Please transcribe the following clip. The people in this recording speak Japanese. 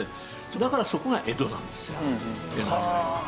だからそこが江戸なんですよ。